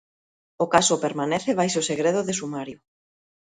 O caso permanece baixo segredo de sumario.